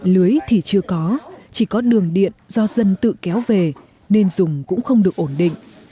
lưới thì chưa có chỉ có đường điện do dân tự kéo về nên dùng cũng không được ổn định